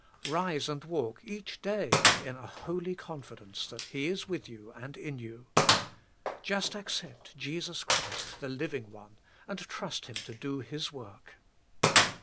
Kise and walk each day in a holy con fidence that He is with you and in you. Just accept Jesus Christ the Living One, and trust Him to do His work.